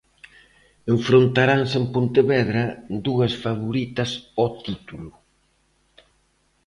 Enfrontaranse en Pontevedra dúas favoritas ao título.